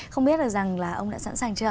không biết là ông đã sẵn sàng chưa ạ